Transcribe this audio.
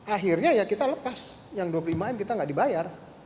akhirnya ya kita lepas yang dua puluh lima m kita nggak dibayar